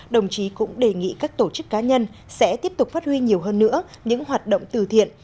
đồng chí cũng đề nghị các tổ chức cá nhân sẽ tiếp tục phát huy nhiều hơn nữa những hoạt động từ thiện